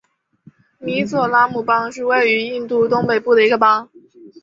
米佐拉姆邦是位于印度东北部的一个邦。